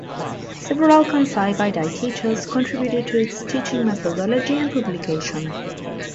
Several Kansai Gaidai teachers contributed to its teaching methodology and publication.